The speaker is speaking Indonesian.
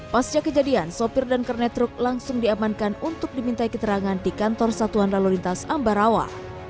pasca kejadian sopir dan kernet truk langsung diamankan untuk dimintai keterangan di kantor satuan lalu lintas ambarawa